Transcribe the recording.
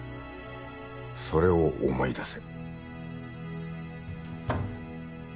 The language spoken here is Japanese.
それを思い出せ。